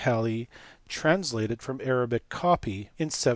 Halley (translated from an Arabic copy) in 1706.